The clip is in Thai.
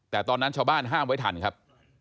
แต่ตอนนั้นชาวบ้านห้ามไว้ทันครับ